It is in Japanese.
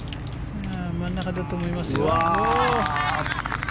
真ん中だと思いますよ。